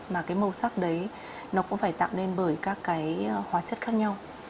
mà màu sắc đấy nó cũng phải tạo nên bởi các hóa chất khác nhau